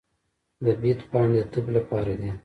د بید پاڼې د تبې لپاره دي.